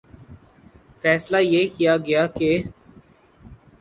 فیصلہ یہ کیا گیا کہ